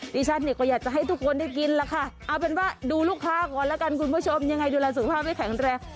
ดิฉันก็อยากจะให้ทุกคนได้กินค่ะดูลูกค้าก่อนแล้วกันคุณผู้ชมอย่างไงดูแลสภาพให้แข็งแดรก